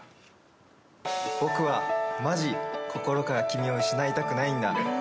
僕はマジ心から君を失いたくないんだ。